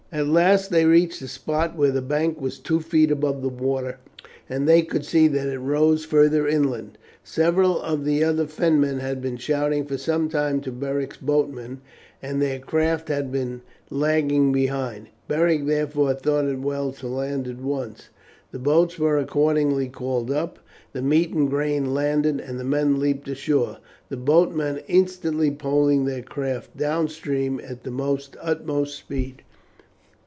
At last they reached a spot where the bank was two feet above the water, and they could see that it rose further inland. Several of the other Fenmen had been shouting for some time to Beric's boatmen, and their craft had been lagging behind. Beric therefore thought it well to land at once. The boats were accordingly called up, the meat and grain landed, and the men leapt ashore, the boatmen instantly poling their crafts down stream at their utmost speed.